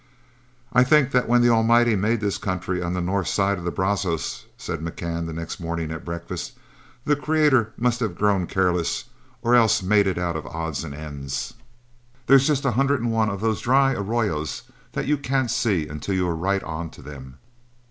"I think that when the Almighty made this country on the north side of the Brazos," said McCann the next morning at breakfast, "the Creator must have grown careless or else made it out of odds and ends. There's just a hundred and one of these dry arroyos that you can't see until you are right onto them.